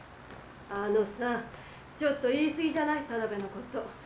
あのさちょっと言いすぎじゃないタナベのこと。